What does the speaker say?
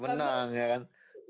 menang ya kan